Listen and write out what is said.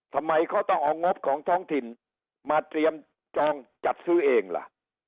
ทำไมเขาต้องเอางบของท้องถิ่นมาเตรียมจองจัดซื้อเองล่ะ